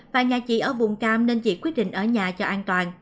và nhà chị ở vùng cam nên chỉ quyết định ở nhà cho an toàn